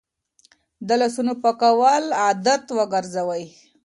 د لاسونو پاکول عادت وګرځوئ.